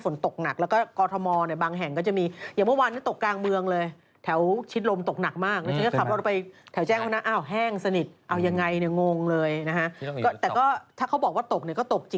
ฝนมาอีกแล้วคุณท่านผู้ชมมาดูที่อิสานตะวันออก